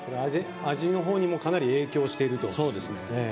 味のほうにもかなり影響していると。